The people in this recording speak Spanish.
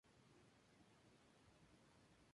Nació en el seno de una familia acomodada de Tegucigalpa.